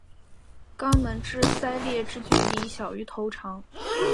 肛门至鳃裂之距离小于头长。